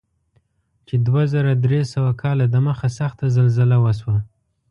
چې دوه زره درې سوه کاله دمخه سخته زلزله وشوه.